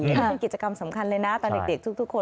นี่เป็นกิจกรรมสำคัญเลยนะตอนเด็กทุกคน